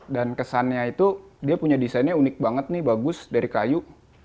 dan kesannya itu dia punya desainnya unik banget nih bagus dari kayu